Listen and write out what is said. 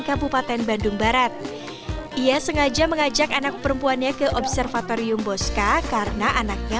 kabupaten bandung barat ia sengaja mengajak anak perempuannya ke observatorium bosca karena anaknya